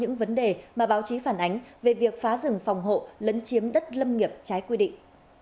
những vấn đề mà báo chí phản ánh về việc phá rừng phòng hộ lấn chiếm đất lâm nghiệp trái quy định